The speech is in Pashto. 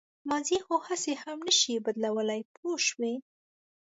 ماضي خو هسې هم نه شئ بدلولی پوه شوې!.